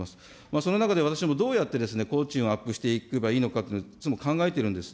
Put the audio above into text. その中で私もどうやって工賃をアップしていけばいいのかというのをいつも考えているんです。